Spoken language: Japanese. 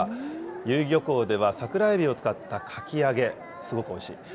由比漁港では桜えびを使ったかき揚げ、すごくおいしいです。